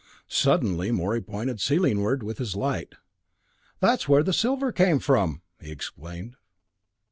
Suddenly Morey pointed ceilingward with his light. "That's where the silver came from!" he exclaimed.